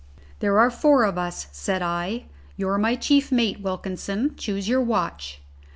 "There are four of us," said I. "You're my chief mate, Wilkinson. Choose your watch."